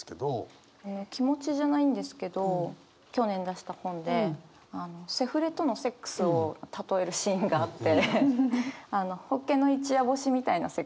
気持ちじゃないんですけど去年出した本でセフレとのセックスを例えるシーンがあってホッケの一夜干しみたいなセックスをする男だっていう。